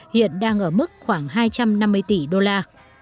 hiện đang ở mức khoảng hai trăm năm mươi tỷ đô la